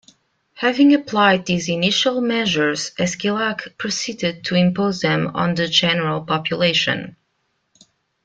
Having applied these initial measures, Esquilache proceeded to impose them on the general population.